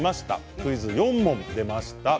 クイズ４問、出ました。